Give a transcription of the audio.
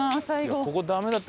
最後。